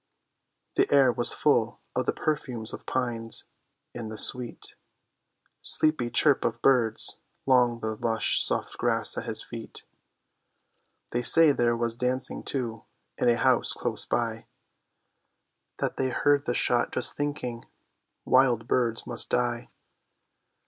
The air was full of the perfume of pines, and the sweet Sleepy chirp of birds, long the lush soft grass at his feet. They say there was dancing too in a house close by, That they heard the shot just thinking wild birds must die.